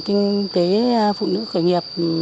kinh tế phụ nữ khởi nghiệp